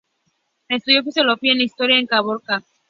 Estudió filosofía e historia en Cracovia.